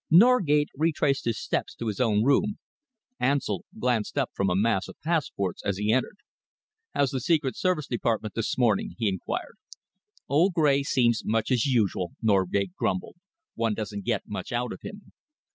Norgate retraced his steps to his own room. Ansell glanced up from a mass of passports as he entered. "How's the Secret Service Department this morning?" he enquired. "Old Gray seems much as usual," Norgate grumbled. "One doesn't get much out of him."